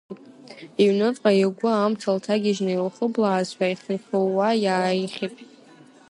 Иҩныҵҟа игәы амца лҭагьежьны илхыблаазшәа, ихьу-хьууа иааихьит.